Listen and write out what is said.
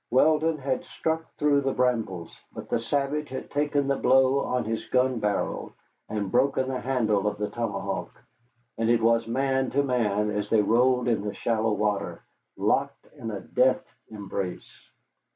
Weldon had struck through the brambles, but the savage had taken the blow on his gun barrel and broken the handle of the tomahawk, and it was man to man as they rolled in the shallow water, locked in a death embrace.